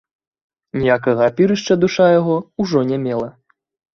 Ніякага апірышча душа яго ўжо не мела.